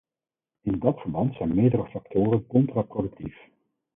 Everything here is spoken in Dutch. In dat verband zijn meerdere factoren contraproductief.